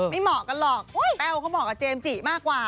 ไม่เหมาะกันหรอกแต้วก็เหมาะกับเจมส์จีรายุมากกว่า